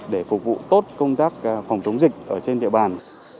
để phục vụ tốt công tác phòng chống dịch ở trên địa bàn